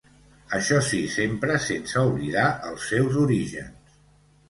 Això si sempre sense oblidar els seus orígens.